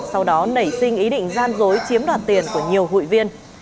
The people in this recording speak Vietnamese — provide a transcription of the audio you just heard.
sau đó nảy sinh ý định gian dối chiếm đoạt tiền của nhiều hụi viên